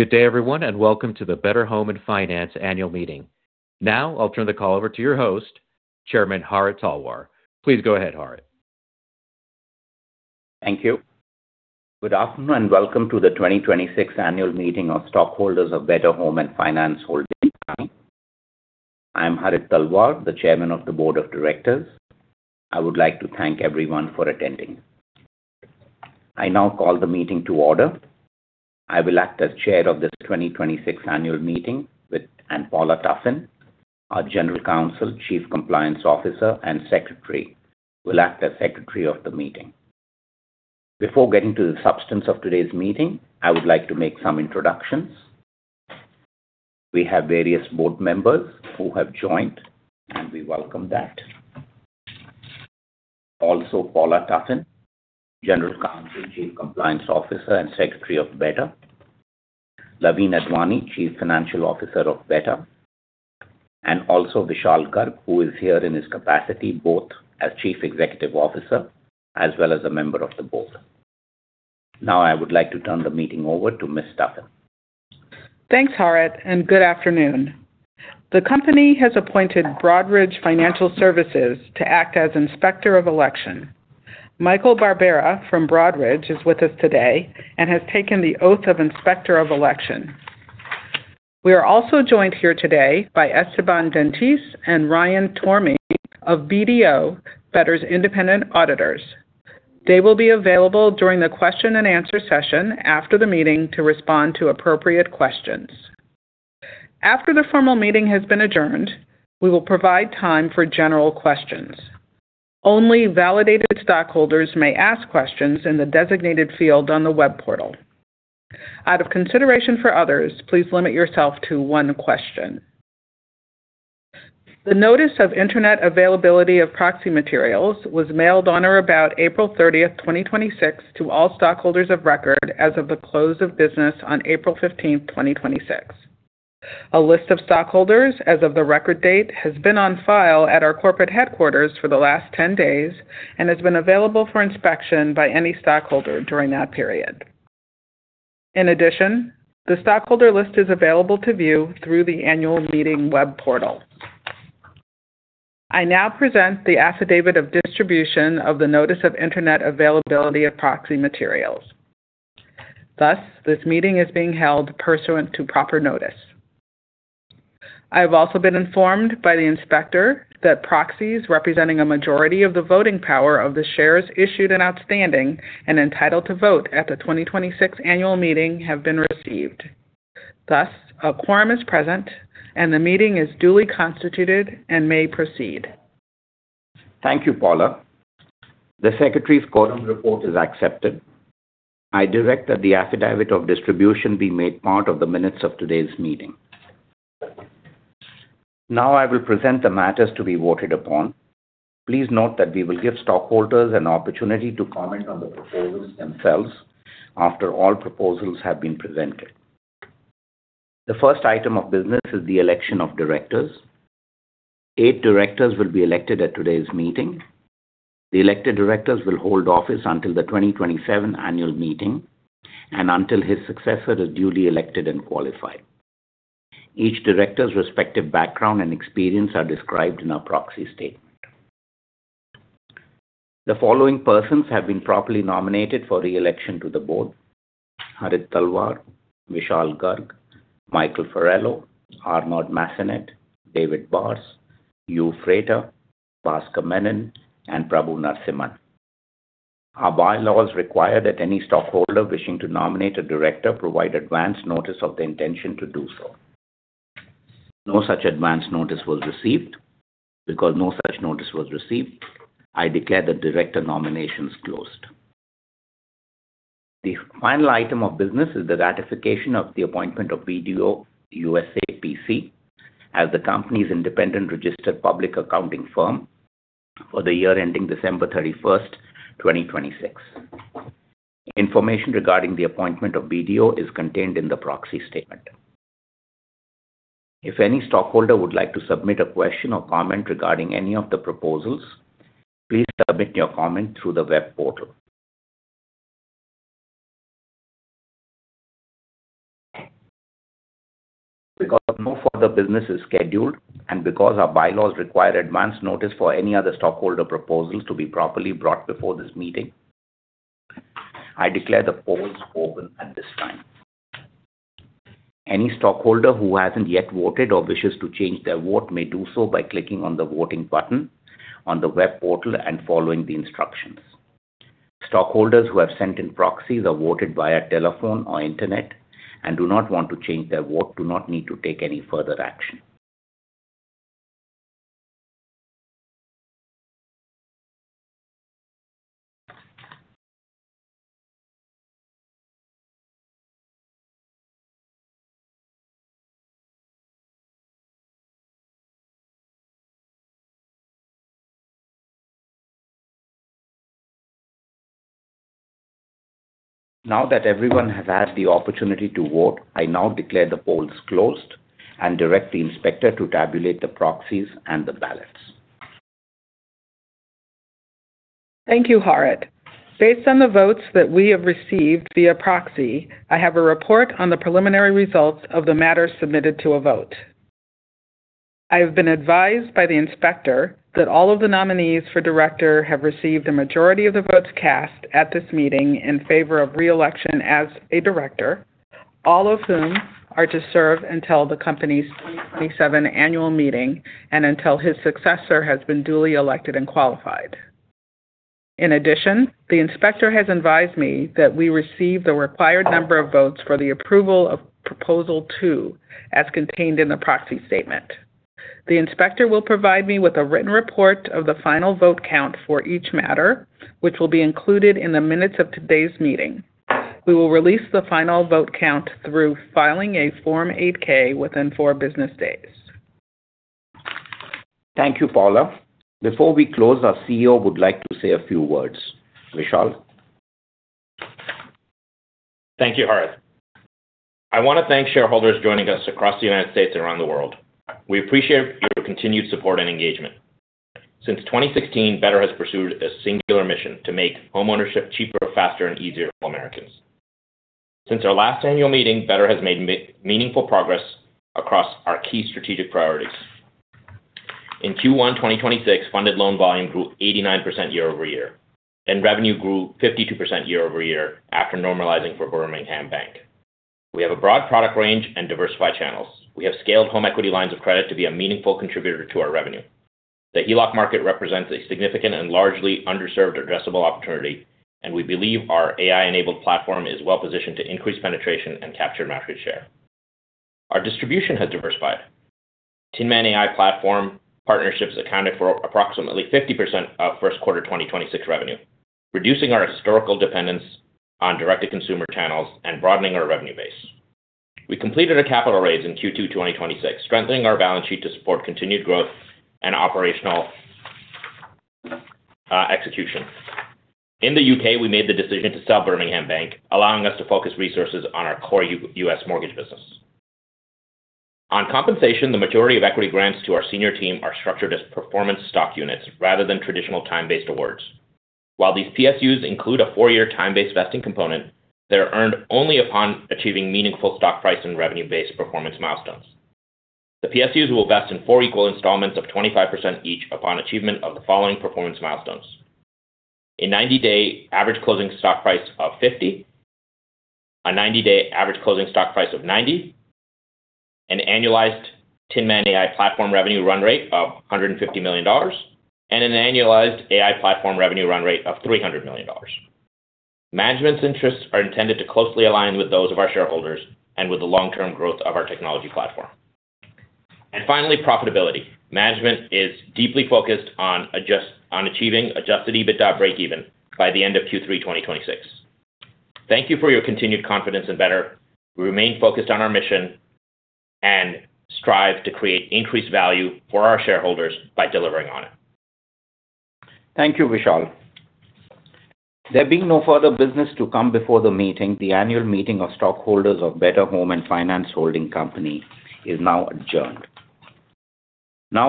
Good day everyone, welcome to the Better Home & Finance Annual Meeting. Now, I'll turn the call over to your host, Chairman Harit Talwar. Please go ahead, Harit. Thank you. Good afternoon, welcome to the 2026 Annual Meeting of Stockholders of Better Home & Finance Holding Company. I'm Harit Talwar, the Chairman of the Board of Directors. I would like to thank everyone for attending. I now call the meeting to order. I will act as Chair of this 2026 annual meeting with Paula Tuffin, our General Counsel, Chief Compliance Officer, and Secretary, will act as secretary of the meeting. Before getting to the substance of today's meeting, I would like to make some introductions. We have various Board members who have joined, we welcome that. Also, Paula Tuffin, General Counsel, Chief Compliance Officer, and Secretary of Better. Loveen Advani, Chief Financial Officer of Better, also Vishal Garg, who is here in his capacity both as Chief Executive Officer as well as a member of the board. Now, I would like to turn the meeting over to Ms. Tuffin. Thanks, Harit, good afternoon. The company has appointed Broadridge Financial Services to act as inspector of election. Michael Barbera from Broadridge is with us today and has taken the oath of Inspector of Election. We are also joined here today by Esteban Dentice and Ryan Tormey of BDO, Better's Independent Auditors. They will be available during the question and answer session after the meeting to respond to appropriate questions. After the formal meeting has been adjourned, we will provide time for general questions. Only validated stockholders may ask questions in the designated field on the web portal. Out of consideration for others, please limit yourself to one question. The notice of Internet availability of proxy materials was mailed on or about April 30th, 2026, to all stockholders of record as of the close of business on April 15th, 2026. A list of stockholders as of the record date has been on file at our corporate headquarters for the last 10 days and has been available for inspection by any stockholder during that period. In addition, the stockholder list is available to view through the annual meeting web portal. I now present the affidavit of distribution of the notice of Internet availability of proxy materials. Thus, this meeting is being held pursuant to proper notice. I have also been informed by the inspector that proxies representing a majority of the voting power of the shares issued and outstanding and entitled to vote at the 2026 annual meeting have been received. Thus, a quorum is present, and the meeting is duly constituted and may proceed. Thank you, Paula. The secretary's quorum report is accepted. I direct that the affidavit of distribution be made part of the minutes of today's meeting. Now I will present the matters to be voted upon. Please note that we will give stockholders an opportunity to comment on the proposals themselves after all proposals have been presented. The first item of business is the election of Directors. Eight Directors will be elected at today's meeting. The elected Directors will hold office until the 2027 annual meeting and until his successor is duly elected and qualified. Each Director's respective background and experience are described in our proxy statement. The following persons have been properly nominated for re-election to the board: Harit Talwar, Vishal Garg, Michael Farello, Arnaud Massenet, David Barse, Hugh Frater, Bhaskar Menon, and Prabhu Narasimhan. Our bylaws require that any stockholder wishing to nominate a Director provide advance notice of the intention to do so. No such advance notice was received. No such notice was received, I declare the Director nominations closed. The final item of business is the ratification of the appointment of BDO USA, P.C. as the company's independent registered public accounting firm for the year ending December 31st, 2026. Information regarding the appointment of BDO is contained in the proxy statement. If any stockholder would like to submit a question or comment regarding any of the proposals, please submit your comment through the web portal. No further business is scheduled and because our bylaws require advance notice for any other stockholder proposals to be properly brought before this meeting, I declare the polls open at this time. Any stockholder who hasn't yet voted or wishes to change their vote may do so by clicking on the voting button on the web portal and following the instructions. Stockholders who have sent in proxies or voted via telephone or Internet and do not want to change their vote do not need to take any further action. Now that everyone has had the opportunity to vote, I now declare the polls closed and direct the inspector to tabulate the proxies and the ballots. Thank you, Harit. Based on the votes that we have received via proxy, I have a report on the preliminary results of the matter submitted to a vote. I have been advised by the inspector that all of the nominees for Director have received a majority of the votes cast at this meeting in favor of re-election as a Director, all of whom are to serve until the company's 2027 annual meeting and until his successor has been duly elected and qualified. In addition, the inspector has advised me that we received the required number of votes for the approval of Proposal Two, as contained in the proxy statement. The inspector will provide me with a written report of the final vote count for each matter, which will be included in the minutes of today's meeting. We will release the final vote count through filing a Form 8-K within four business days. Thank you, Paula. Before we close, our CEO would like to say a few words. Vishal? Thank you, Harit. I want to thank shareholders joining us across the United States and around the world. We appreciate your continued support and engagement. Since 2016, Better has pursued a singular mission to make homeownership cheaper, faster, and easier for Americans. Since our last annual meeting, Better has made meaningful progress across our key strategic priorities. In Q1 2026, funded loan volume grew 89% year-over-year, and revenue grew 52% year-over-year after normalizing for Birmingham Bank. We have a broad product range and diversified channels. We have scaled home equity lines of credit to be a meaningful contributor to our revenue. The HELOC market represents a significant and largely underserved addressable opportunity, and we believe our AI-enabled platform is well positioned to increase penetration and capture market share. Our distribution has diversified. Tinman AI Platform partnerships accounted for approximately 50% of first quarter 2026 revenue, reducing our historical dependence on direct-to-consumer channels and broadening our revenue base. We completed a capital raise in Q2 2026, strengthening our balance sheet to support continued growth and operational execution. In the U.K., we made the decision to sell Birmingham Bank, allowing us to focus resources on our core U.S. mortgage business. On compensation, the majority of equity grants to our senior team are structured as Performance Share Units rather than traditional time-based awards. While these PSUs include a four-year time-based vesting component, they're earned only upon achieving meaningful stock price and revenue-based performance milestones. The PSUs will vest in four equal installments of 25% each upon achievement of the following performance milestones. A 90-day average closing stock price of $50, a 90-day average closing stock price of $90, an annualized Tinman AI Platform revenue run-rate of $150 million, and an annualized AI Platform revenue run-rate of $300 million. Management's interests are intended to closely align with those of our shareholders and with the long-term growth of our technology platform. Finally, profitability. Management is deeply focused on achieving adjusted EBITDA breakeven by the end of Q3 2026. Thank you for your continued confidence in Better. We remain focused on our mission and strive to create increased value for our shareholders by delivering on it. Thank you, Vishal. There being no further business to come before the meeting, the annual meeting of stockholders of Better Home & Finance Holding Company is now adjourned.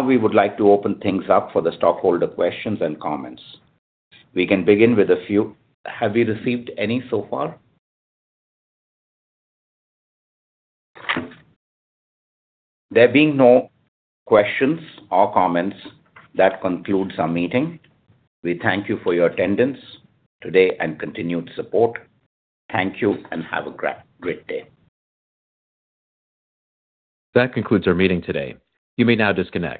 We would like to open things up for the stockholder questions and comments. We can begin with a few. Have we received any so far? There being no questions or comments, that concludes our meeting. We thank you for your attendance today and continued support. Thank you. Have a great day. That concludes our meeting today. You may now disconnect.